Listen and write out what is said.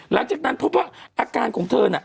หลังจากนั้นพบว่าอาการของเธอน่ะ